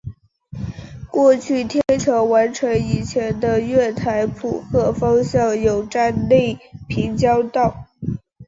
过去天桥完成以前的月台浦贺方向有站内平交道。